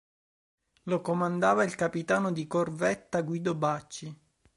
Lo comandava il capitano di corvetta Guido Bacci.